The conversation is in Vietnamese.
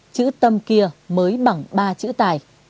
chữ tâm kia mới bằng ba chữ tài